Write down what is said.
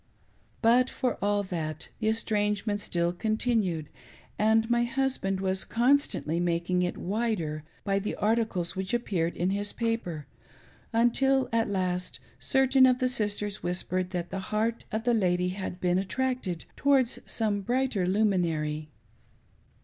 But, for all that, the estrange ment still continued, and my husband was constantly making it wider by the articles which appeared in his paper, until at last certain of the sisters whispered that the heart of the lady had been attracted towards some brighter luminary.